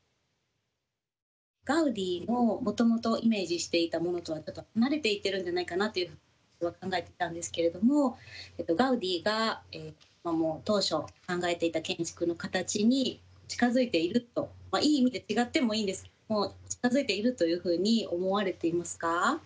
ガウディのもともとイメージしていたものとはちょっと離れていってるんじゃないかなと考えてたんですけれどもガウディが当初考えていた建築の形に近づいているといい意味で違ってもいいんですけども近づいているというふうに思われていますか？